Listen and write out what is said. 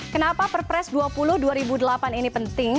kenapa perpres dua puluh dua ribu delapan ini penting